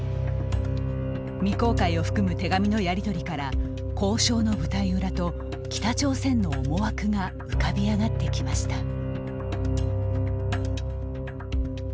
未公開を含む手紙のやり取りから交渉の舞台裏と、北朝鮮の思惑が浮かび上がってきました。